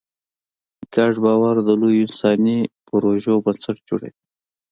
ګډ باور د لویو انساني پروژو بنسټ جوړوي.